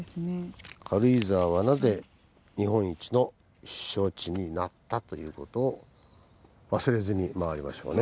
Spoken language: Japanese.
「軽井沢はなぜ日本一の避暑地になった⁉」という事を忘れずに回りましょうね。